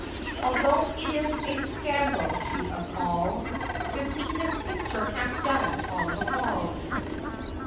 Although it is a scandal to us all To see this picture half done on the wall.